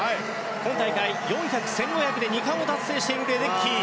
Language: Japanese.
今大会４００、１５００で２冠を達成しているレデッキー。